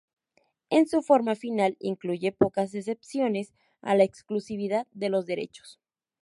En su forma final, incluye pocas excepciones a la exclusividad de los derechos.